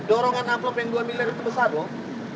dorongan amplop yang dua miliar itu besar dong